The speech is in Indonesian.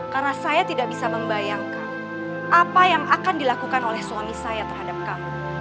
karena saya tidak bisa membayangkan apa yang akan dilakukan oleh suami saya terhadap kamu